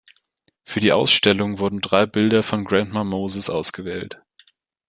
Für die Ausstellung wurden drei Bilder von Grandma Moses ausgewählt.